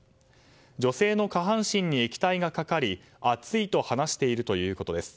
女性の下半身に液体がかかり熱いと話しているということです。